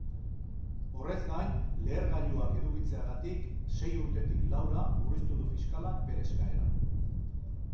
Horrez gain, lehergailuak edukitzeagatik sei urtetik laura murriztu du fiskalak bere eskaera.